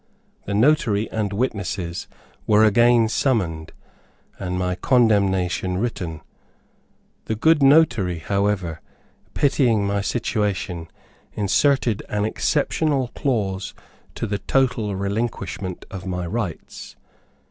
The notary and witnesses were again summoned, and my condemnation written. The good notary, however, pitying my situation, inserted an exceptional clause to the total relinquishment of my rights.